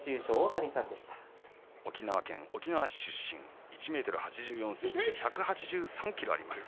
沖縄県沖縄市出身１ｍ８４ｃｍ１８３ｋｇあります。